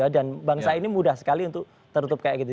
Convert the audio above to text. dan bangsa ini mudah sekali untuk tertutup kayak gitu